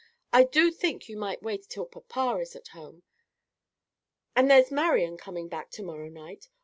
I do think you might wait till papa is at home. And there's Marian coming back to morrow night.